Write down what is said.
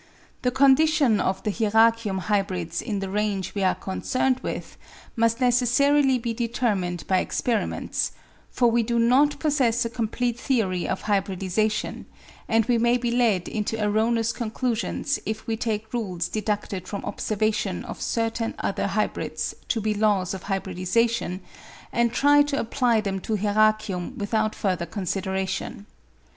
The condition of the Hieracium, hybrids in the range we are concerned with must necessarily be determined by experiments ; for we do not possess a complete theory of hybridisation, and we may be led into erroneous conclusions if we take rules deduced from observation of certain other hybrids to be Laws of hybridisation, and try to apply them to Hieracium without further consideration.